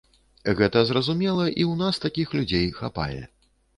Гэта зразумела і ў нас такіх людзей хапае.